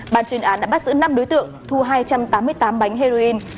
bàn chuyên án đã bắt giữ năm đối tượng thu hai trăm tám mươi tám bánh heroin